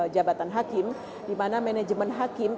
jabatan hakim di mana manajemen hakim